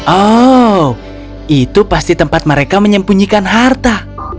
oh itu pasti tempat mereka menyembunyikan harta